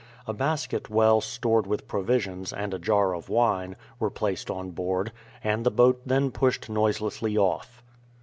A basket well stored with provisions, and a jar of wine, were placed on board, and the boat then pushed noiselessly off.